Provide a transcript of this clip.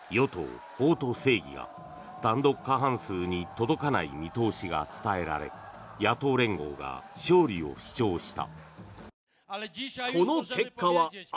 与党・法と正義が単独過半数に届かない見通しが伝えられ野党連合が勝利を主張した。